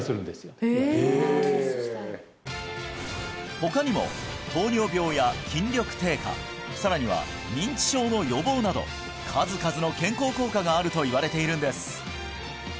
他にも糖尿病や筋力低下さらには認知症の予防など数々の健康効果があるといわれているんです